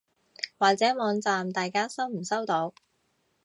或者網站大家收唔收到？